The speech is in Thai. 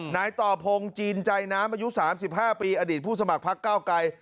ไหนต่อพงค์จีนใจน้ำอายุสามสิบห้าปีอดีตผู้สมัครพรรคเก้าไกร